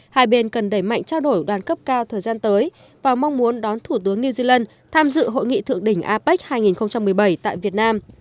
hai bên cần đẩy mạnh trao đổi đoàn cấp cao thời gian tới và mong muốn đón thủ tướng new zealand tham dự hội nghị thượng đỉnh apec hai nghìn một mươi bảy tại việt nam